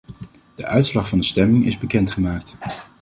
De uitslag van de stemming is bekendgemaakt.